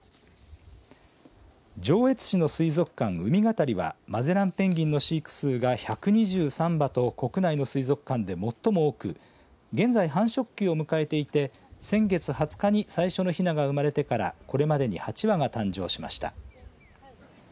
上越市の水族館うみがたりはマゼランペンギンの飼育数が１２３羽と国内の水族館で最も多く現在、繁殖期を迎えていて先月２０日に最初のひなが生まれてからこれまでに８羽が誕生しました。